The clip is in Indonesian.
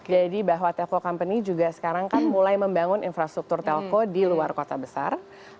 jadi bahwa telco company juga sekarang mulai membangun infrastruktur telco di luar kota besar